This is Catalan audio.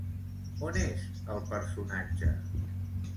On és el personatge?